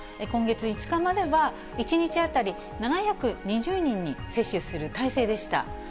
今月５日までは、１日当たり７２０人に接種する態勢でした。